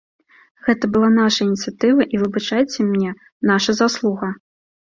Гэта была наша ініцыятыва і, выбачайце мне, наша заслуга.